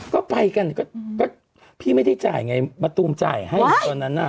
ก็ไปกันก็พี่ไม่ได้จ่ายไงมะตูมจ่ายให้ตอนนั้นน่ะ